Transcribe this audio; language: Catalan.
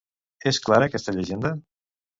És clara aquesta llegenda?